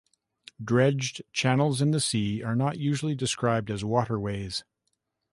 Dredged channels in the sea are not usually described as waterways.